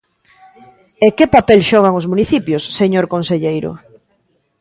E ¿que papel xogan os municipios, señor conselleiro?